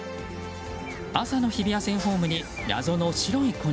朝の日比谷線ホームに謎の白い粉。